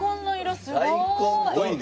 すごいね。